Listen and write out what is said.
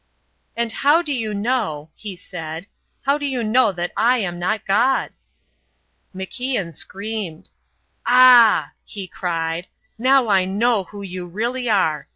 "And how do you know," he said, "how do you know that I am not God?" MacIan screamed. "Ah!" he cried. "Now I know who you really are.